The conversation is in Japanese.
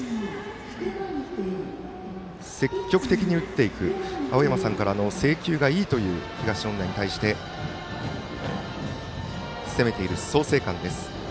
積極的に打っていく青山さんから制球がいいという東恩納に対して攻めている創成館です。